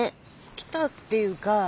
来たっていうかいた。